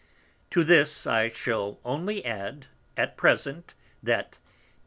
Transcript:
To this I shall only add, at present, that 10.